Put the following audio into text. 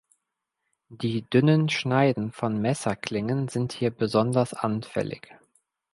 Die dünnen Schneiden von Messerklingen sind hier besonders anfällig.